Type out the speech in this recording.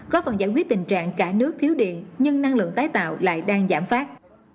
có phần giải quyết tình trạng cả nước thiếu điện nhưng năng lượng tái tạo lại đang giảm phát